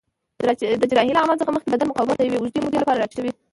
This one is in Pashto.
د جراحۍ له عمل څخه مخکې بدن مقاومت د یوې اوږدې مودې لپاره راټیټوي.